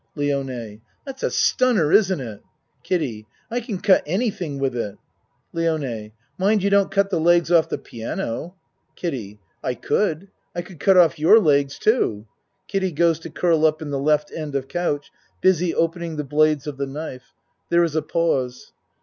LIONE That's a stunner isn't it? KIDDIE I can cut anything with it. LIONE Mind you don't cut the legs off the piano. KIDDIE I could. I could cut off your legs too. (Kiddie goes to curl up in the L. end of couch busy opening the blades of the knife. There is a pause.